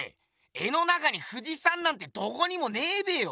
絵の中に富士山なんてどこにもねぇべよ！